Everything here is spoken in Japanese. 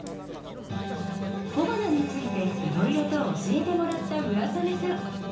小花についていろいろと教えてもらった村雨さん。